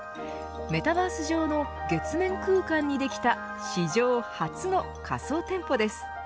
メタバース上の月面空間にできた史上初の仮想店舗です。